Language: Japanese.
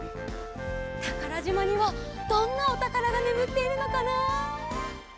たからじまにはどんなおたからがねむっているのかな？